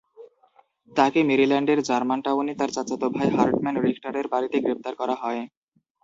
তাকে মেরিল্যান্ডের জার্মানটাউনে তার চাচাতো ভাই হার্টম্যান রিখটারের বাড়িতে গ্রেফতার করা হয়।